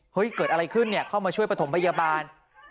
เกิดอะไรขึ้นเนี่ยเข้ามาช่วยประถมพยาบาล